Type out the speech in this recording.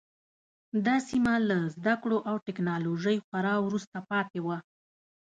دا سیمه له زده کړو او ټکنالوژۍ خورا وروسته پاتې وه.